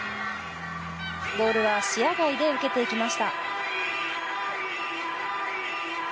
ボールは視野外で受けていきました。